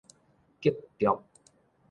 革逐